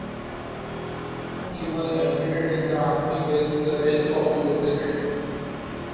He was admitted in the Army with the rank of lieutenant.